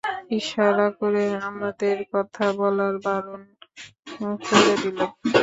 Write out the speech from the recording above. ইশারা করে আমাদের কথা বলতে বারণ করে দিলে।